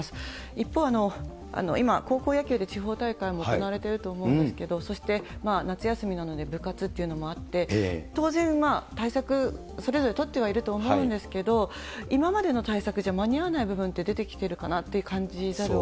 一方、今、高校野球で地方大会も行われていると思うんですけど、そして、夏休みなので部活というのもあって、当然まあ、対策それぞれ取ってはいると思うんですけれども、今までの対策じゃ間に合わない部分って出てきてるかなっていう感